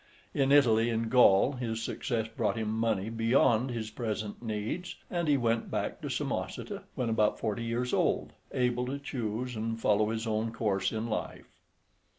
In Italy and Gaul his success brought him money beyond his present needs, and he went back to Samosata, when about forty years old, able to choose and follow his own course in life.